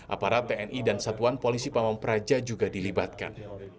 aparat tni dan satuan polisi pamung praja juga dilibatkan